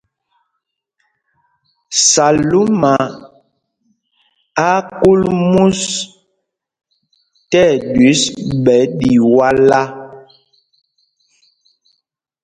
Salúma á á kūl mûs tí ɛɗüis ɓɛ̌ Ɗiwálá.